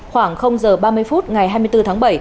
khoảng giờ ba mươi phút ngày hai mươi bốn tháng bảy